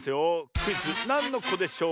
クイズ「なんのこでショー」